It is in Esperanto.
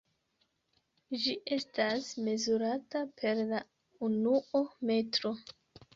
Ĝi estas mezurata per la unuo metro.